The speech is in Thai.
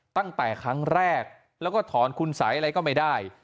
ตั้งแต่ครั้งแรกแล้วก็ถอนคุณสัยอะไรก็ไม่ได้